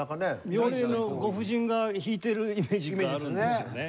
妙齢のご婦人が弾いてるイメージがあるんですよね。